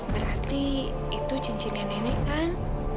berarti itu cincinnya nenek kan